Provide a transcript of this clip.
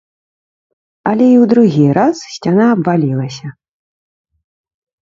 Але і ў другі раз сцяна абвалілася.